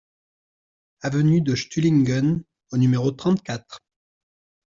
Avenue de Stuhlingen au numéro trente-quatre